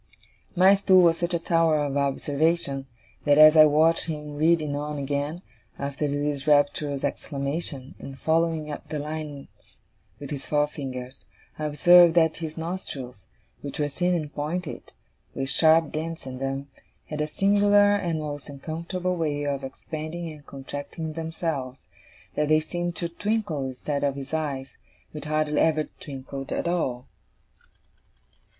My stool was such a tower of observation, that as I watched him reading on again, after this rapturous exclamation, and following up the lines with his forefinger, I observed that his nostrils, which were thin and pointed, with sharp dints in them, had a singular and most uncomfortable way of expanding and contracting themselves that they seemed to twinkle instead of his eyes, which hardly ever twinkled at all.